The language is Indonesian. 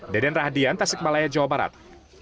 deden rahadian tasikmalaya jawa barat